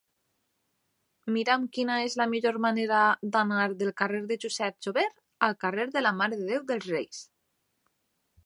Mira'm quina és la millor manera d'anar del carrer de Josep Jover al carrer de la Mare de Déu dels Reis.